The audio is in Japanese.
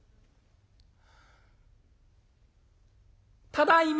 「ただいま」。